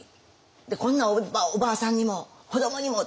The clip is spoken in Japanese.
こんなおばあさんにも子どもにもとか。